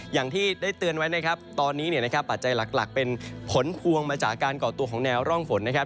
อย่างที่ได้เตือนไว้นะครับตอนนี้เนี่ยนะครับปัจจัยหลักเป็นผลพวงมาจากการก่อตัวของแนวร่องฝนนะครับ